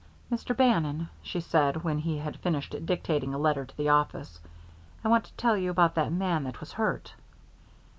"Mr. Bannon," she said, when he had finished dictating a letter to the office, "I want to tell you about that man that was hurt."